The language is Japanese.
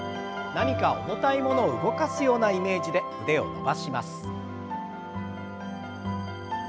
何か重たいものを動かすようなイメージで腕を伸ばします。